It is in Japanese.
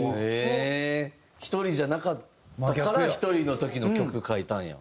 一人じゃなかったから一人の時の曲書いたんや。